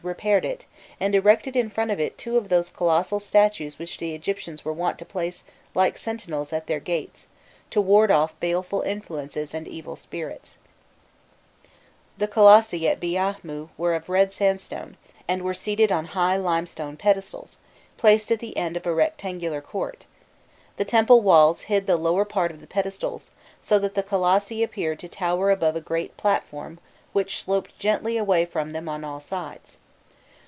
repaired it, and erected in front of it two of those colossal statues which the Egyptians were wont to place like sentinels at their gates, to ward off baleful influences and evil spirits. [Illustration: 388.jpg THE REMAINS OF THE OBELISK OF BEGIG] Drawn by Boudier, from a photograph by Golûnischeff. The colossi at Biahmû were of red sandstone, and were seated on high limestone pedestals, placed at the end of a rectangular court; the temple walls hid the lower part of the pedestals, so that the colossi appeared to tower above a great platform which sloped gently away from them on all sides.